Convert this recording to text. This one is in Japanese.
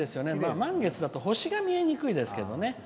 満月だと星が見えにくいですけど。